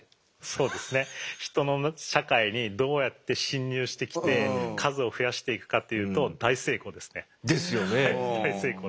そうですねヒトの社会にどうやって侵入してきて数を増やしていくかというと大成功ですね。ですよね。